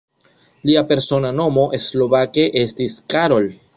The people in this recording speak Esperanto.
Lia persona nomo slovake estis "Karol".